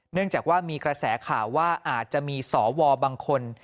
เนื่องจากว่ามีกระแสข่าวว่าอาจจะมีสวบางคน